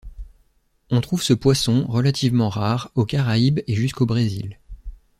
On trouve ce poisson, relativement rare, aux Caraïbes et jusqu'au Brésil.